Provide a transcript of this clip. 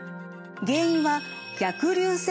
原因は逆流性